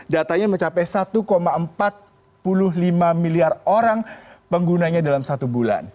datanya mencapai satu empat puluh lima miliar orang penggunanya dalam satu bulan